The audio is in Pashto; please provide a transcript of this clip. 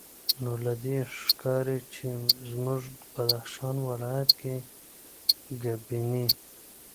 نو له دې ښکاري چې زموږ بدخشان ولایت کې ګبیني